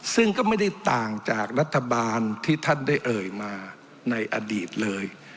ซึ่งก็ไม่ได้ต่างจากรัฐบาลที่ท่านได้เอ่ยมาในอดีตเลย